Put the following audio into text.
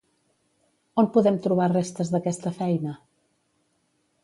On podem trobar restes d'aquesta feina?